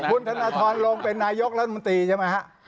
คุณธนทรลงเป็นนายกรัฐมนตรีใช่ไหมฮะ